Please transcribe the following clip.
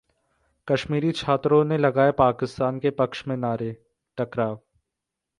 कश्मीरी छात्रों ने लगाए पाकिस्तान के पक्ष में नारे, टकराव